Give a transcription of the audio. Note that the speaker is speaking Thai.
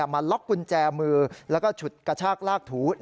มาล็อกกุญแจมือแล้วก็ฉุดกระชากลากถู